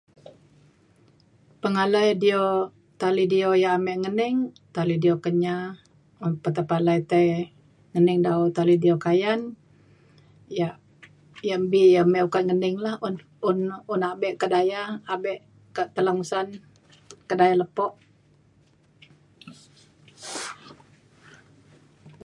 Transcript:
pengalai dio- talidio yak ame ngening talidio Kenyah. un pa tepalai tai ngening dau talidio Kayan yak yak mbi yak me ukat ngening lah. un un abe kedaya abe kak Telang Usan kedaya lepo.